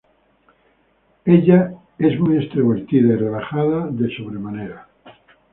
Ella es muy extrovertida y relajada de sobremanera.